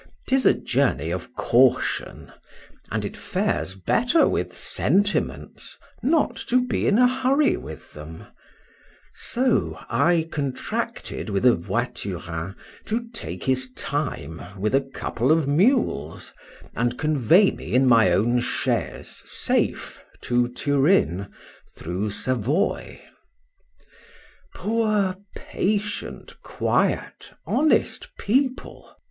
'Tis a journey of caution; and it fares better with sentiments, not to be in a hurry with them; so I contracted with a voiturin to take his time with a couple of mules, and convoy me in my own chaise safe to Turin, through Savoy. Poor, patient, quiet, honest people!